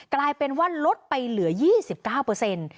กลายเป็นว่าลดไปเหลือ๒๙เปอร์เซ็นต์